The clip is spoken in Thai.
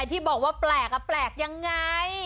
ที่บอกว่าแปลกแปลกยังไง